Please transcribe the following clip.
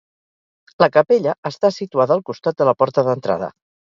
La capella està situada al costat de la porta d'entrada.